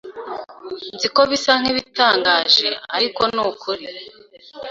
Nzi ko bisa nkibitangaje, ariko nukuri.